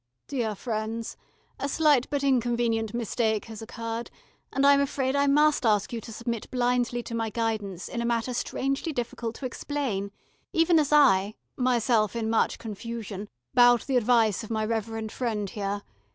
"Dear friends, a slight but inconvenient mistake has occurred, and I am afraid I must ask you to submit blindly to my guidance in a matter strangely difficult to explain, even as I myself in much confusion bow to the advice of my reverend friend here.